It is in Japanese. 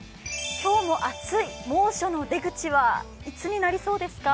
今日も暑い、猛暑の出口はいつになりそうですか？